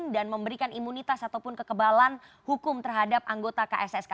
dan memberikan imunitas ataupun kekebalan hukum terhadap anggota kssk